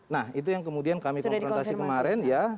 nah itu yang kemudian kami konfrontasi kemarin ya